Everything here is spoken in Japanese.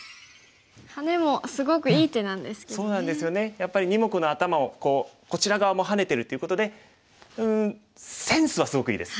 やっぱり２目のアタマをこちら側もハネてるっていうことでうんセンスはすごくいいです。